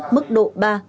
mức độ ba bốn